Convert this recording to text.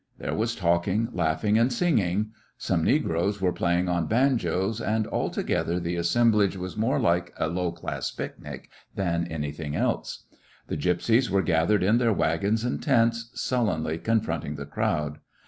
There was talking, laughing, and singing. Some negroes were playing on banjos, and al together the assemblage was more like a low class picnic than anything else. The gypsies were gathered in their wagons and tents, sul lenly confronting the crowd.